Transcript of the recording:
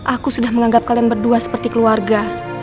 aku sudah menganggap kalian berdua seperti keluarga